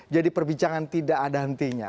jadi perbincangan tidak ada hentinya